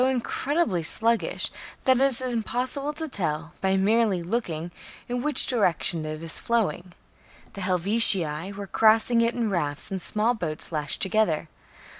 incredibly sluggish that it is impossible to tell, by merely looking, in which direction it is flowing. The Helvetii were crossing it in rafts and small boats lashed together.